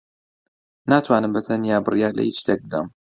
ناتوانم بەتەنیا بڕیار لە ھیچ شتێک بدەم.